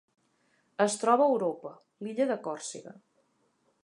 Es troba a Europa: l'illa de Còrsega.